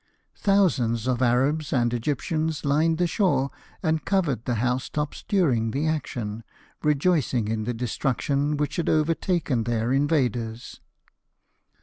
Thousands of Arabs and Egyptians lined the shore, and covered the house tops during the action, rejoicing in the destruction which had overtaken their invaders.